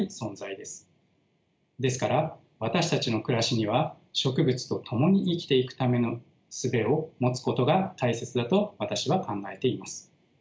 ですから私たちの暮らしには植物と共に生きていくためのすべを持つことが大切だと私は考えています。